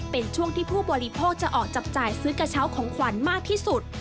เป็นช่วงที่ผู้บริโภคจะออกจับจ่ายซื้อกระเช้าของขวัญมากที่สุด